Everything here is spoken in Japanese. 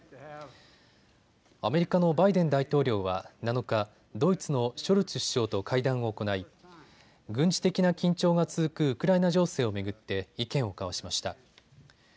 アメリカのバイデン大統領は７日、ドイツのショルツ首相と会談を行い軍事的な緊張が続くウクライナ情勢を巡って意見を交わしました。